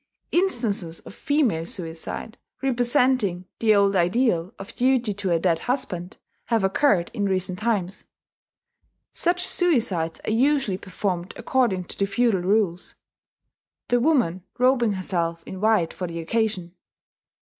Instances of female suicide, representing the old ideal of duty to a dead husband, have occurred in recent times. Such suicides are usually performed according to the feudal rules, the woman robing herself in white for the occasion.